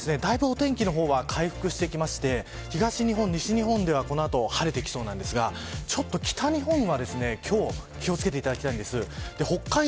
今日は、だいぶお天気の方は回復してきまして東日本、西日本ではこの後荒れてきそうなんですがちょっと北日本は今日気を付けていただきたいんです。